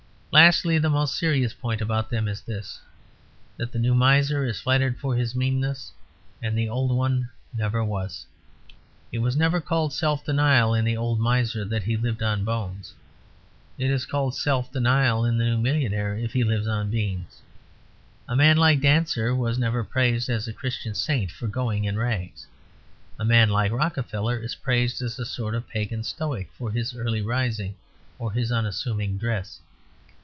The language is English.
Lastly, the most serious point about them is this: that the new miser is flattered for his meanness and the old one never was. It was never called self denial in the old miser that he lived on bones. It is called self denial in the new millionaire if he lives on beans. A man like Dancer was never praised as a Christian saint for going in rags. A man like Rockefeller is praised as a sort of pagan stoic for his early rising or his unassuming dress.